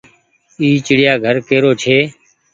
اي ڇڙيآ گهر ڪي رو ڇي۔